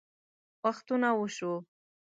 وختونه وشوه